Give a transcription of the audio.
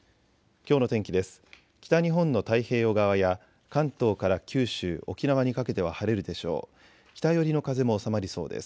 きょうの天気です。